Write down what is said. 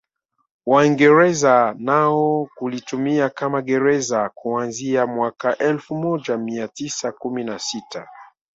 Waingereza nao kulitumia kama gereza kuanzia mwaka elfu moja mia tisa kumi na sita